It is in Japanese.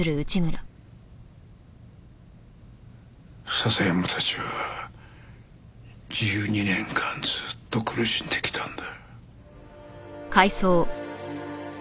笹山たちは１２年間ずっと苦しんできたんだ。